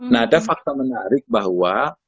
nah ada fakta menarik bahwa